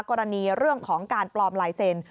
กรณีเรื่องของการปลอมลายเซ็นต์